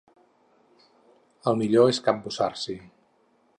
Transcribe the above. El millor és cabussar-s’hi.